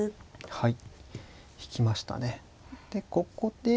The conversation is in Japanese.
はい。